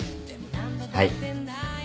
はい。